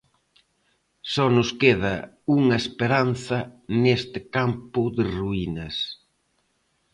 Só nos queda unha esperanza neste campo de ruínas.